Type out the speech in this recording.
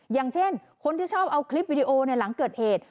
อย่างเช่นคนที่ชอบเอาคลิปวิดีโอในหลังเกิดเหตุ